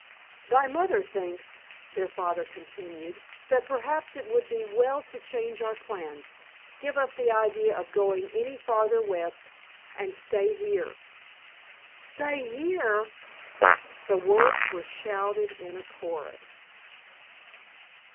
"Thy mother thinks," their father continued, "that perhaps it would be well to change our plans, give up the idea of going any farther west, and stay here." "Stay here?" The words were shouted in a chorus.